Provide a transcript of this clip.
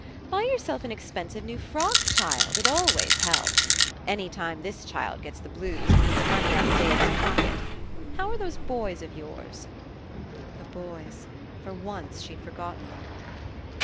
"Buy yourself an expensive new frock, child. It always helps. Any time this child gets the blues, it means money out of Dave's pocket. How're those boys of yours?" The boys! For once she'd forgotten them.